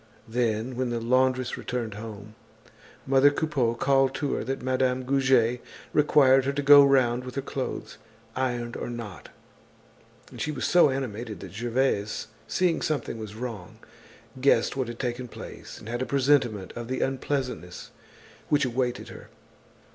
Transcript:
Then, when the laundress returned home, mother Coupeau called to her that Madame Goujet required her to go round with her clothes, ironed or not; and she was so animated that Gervaise, seeing something was wrong, guessed what had taken place and had a presentiment of the unpleasantness which awaited her.